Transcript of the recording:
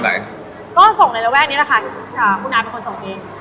คุณอ่านเป็นคนส่งเอง